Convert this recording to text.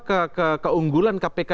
ke keunggulan kpk